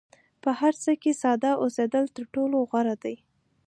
په هر څه کې ساده اوسېدل تر ټولو غوره دي.